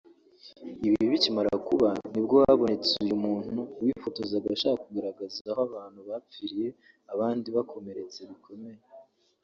ibi bikimara kuba nibwo habonetse uyu muntu wifotozaga ashaka kugaragaza aho abantu bapfiriye abandi bakomeretse bikomeye